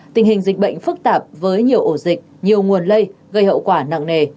tình hình dịch bệnh phức tạp với nhiều ổ dịch nhiều nguồn lây gây hậu quả nặng nề